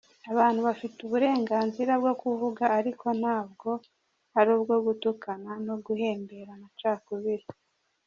Abantu bafite uburenganzira bwo kuvuga ariko ntabwo ari ubwo gutukana no guhembera amacakubiri.